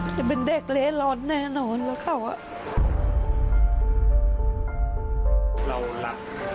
จะเป็นเด็กเละร้อนแน่นอนหรือเขาอะ